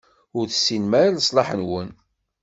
Ur tessinem ara leṣlaḥ-nwen.